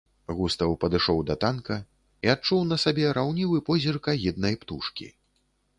Густаў падышоў да танка і адчуў на сабе раўнівы позірк агіднай птушкі.